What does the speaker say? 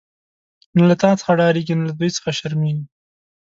نه له تا څخه ډاریږی، نه له دوی څخه شرمیږی